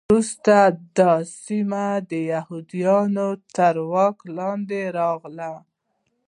وروسته دا سیمه د یهودانو تر واک لاندې راغله.